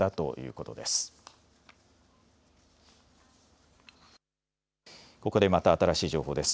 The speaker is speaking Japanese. ここでまた新しい情報です。